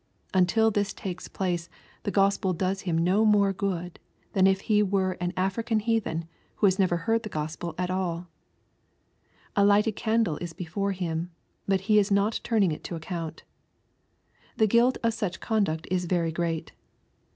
Until this takes place the Gospel does him no more good than if he were an African heathen, who has never heard the Gospel at all, A lighted candle is before him, but he is not turning it to account. The guilt of such conduct is very great.